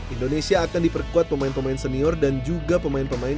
indonesia akan diperkuat pemain pemain senior dan juga pemain pemain